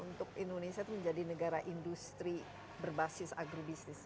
untuk indonesia itu menjadi negara industri berbasis agrobisnis